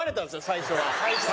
最初は。